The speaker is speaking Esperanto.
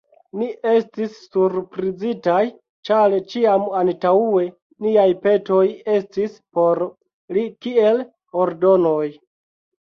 Ni estis surprizitaj, ĉar ĉiam antaŭe niaj petoj estis por li kiel ordonoj.